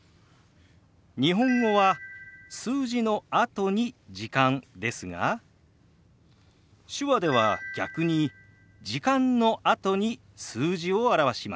日本語は数字のあとに「時間」ですが手話では逆に「時間」のあとに数字を表します。